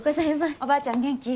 おばあちゃん元気？